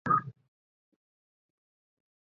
韩国职业足球联赛等级